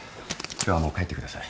今日はもう帰ってください。